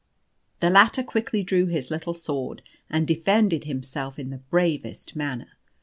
The latter quickly drew his little sword, and defended himself in the bravest manner.